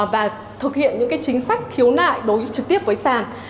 và thực hiện những cái chính sách khiếu nại đối với trực tiếp với sàn